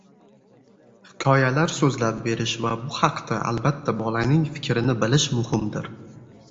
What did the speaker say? hikoyalar so‘zlab berish va bu haqda albatta bolaning fikrini bilish muhimdir.